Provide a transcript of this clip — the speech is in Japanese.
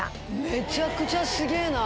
めちゃくちゃすげぇな。